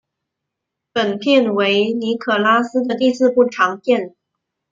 本片为尼可拉斯的第四部长片。